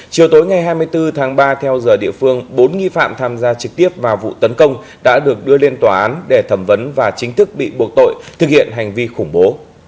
chiều tối ngày hai mươi bốn tháng ba theo giờ địa phương bốn nghi phạm tham gia trực tiếp vào vụ tấn công đã được đưa lên tòa án để thẩm vấn và chính thức bị buộc tội thực hiện hành vi khủng bố